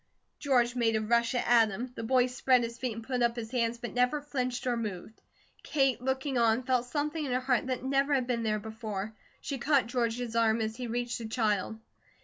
George made a rush at Adam. The boy spread his feet and put up his hands, but never flinched or moved. Kate looking on felt something in her heart that never had been there before. She caught George's arm, as he reached the child.